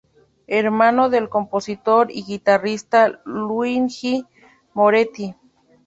Hermano del compositor y guitarrista Luigi Moretti.